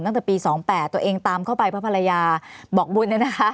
ตั้งแต่ปี๑๙๒๘ตัวเองตามเขาไปเพราะพลายาบอกบุญ